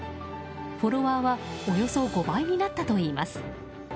フォロワーはおよそ５倍になったといいます。